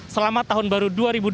selamat tahun baru dua ribu dua puluh